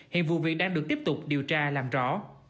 hiện vụ việc đang được tiếp tục điều tra làm rõ